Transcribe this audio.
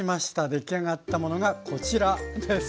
出来上がったものがこちらです。